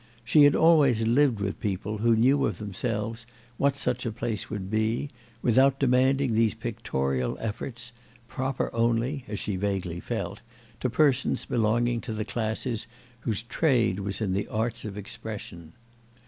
She had always lived with people who knew of themselves what such a place would be, without demanding these pictorial efforts, proper only, as she vaguely felt, to persons belonging to the classes whose trade was the arts of expression.